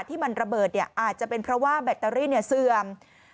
ที่มันระเบิดอาจจะเป็นเพราะว่าแบตเตอรี่เสื่อม